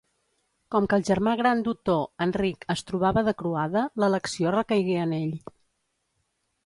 Com que el germà gran d'Otó, Enric, es trobava de croada, l'elecció recaigué en ell.